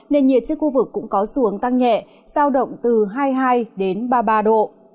nền nhiệt trên khu vực cũng có xuống tăng nhẹ sao động từ hai mươi hai đến ba mươi ba độ